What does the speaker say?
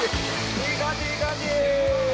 ◆いい感じ、いい感じ！